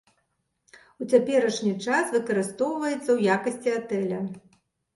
У цяперашні час выкарыстоўваецца ў якасці атэля.